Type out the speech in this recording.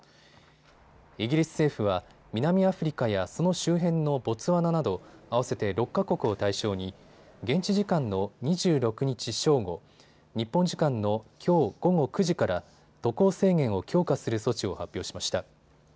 イギリス政府は南アフリカやその周辺のボツワナなど合わせて６か国を対象に現地時間の２６日正午、日本時間のきょう午後９時から渡航制限を強化する措置を発表しました。